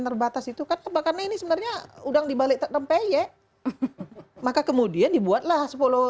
terbatas itu kan kebakarannya sebenarnya udah dibalik renpeyek maka kemudian dibuatlah sepoloh